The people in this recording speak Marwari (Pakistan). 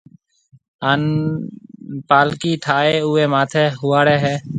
ھان پالڪِي ٺائيَ اوئيَ ماٿيَ ھواڙيَ ھيََََ